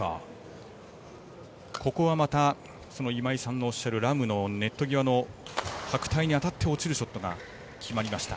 ここは今井さんのおっしゃる、ラムのネット際の白帯に当たって落ちるショットが決まりました。